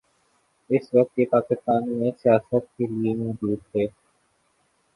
اس وقت یہ پاکستان میں سیاحت کے لیئے موجود تھیں۔